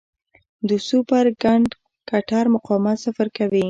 د سوپر کنډکټر مقاومت صفر کوي.